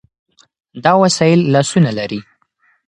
دا وسایل لاسونه لري.